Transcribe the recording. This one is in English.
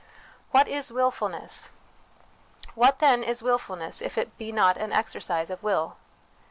What is Wilfulness ? What, then, is wilfulness, if it be not an exercise of will